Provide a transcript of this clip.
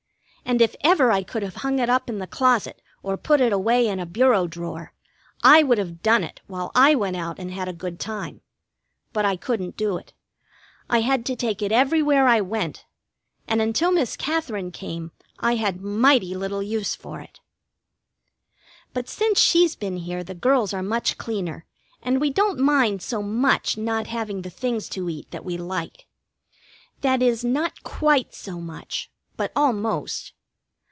And if ever I could have hung it up in the closet or put it away in a bureau drawer, I would have done it while I went out and had a good time. But I couldn't do it. I had to take it everywhere I went, and until Miss Katherine came I had mighty little use for it. But since she's been here the girls are much cleaner, and we don't mind so much not having the things to eat that we like. That is, not quite so much. But almost.